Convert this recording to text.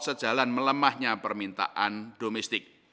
sejalan melemahnya permintaan domestik